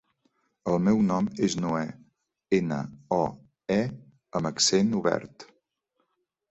El meu nom és Noè: ena, o, e amb accent obert.